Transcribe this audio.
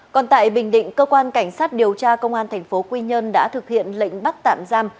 còn tại bình định cơ quan cảnh sát điều tra công an thành phố quy nhơn đã thực hiện lệnh bắt tạm giam